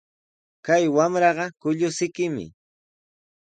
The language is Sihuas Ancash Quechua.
Kay wamraqa kullusikimi.